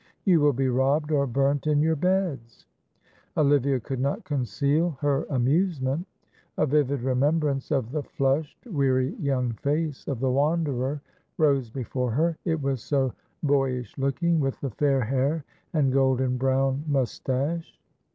You will be robbed or burnt in your beds!" Olivia could not conceal her amusement. A vivid remembrance of the flushed, weary young face of the wanderer rose before her; it was so boyish looking with the fair hair and golden brown moustache.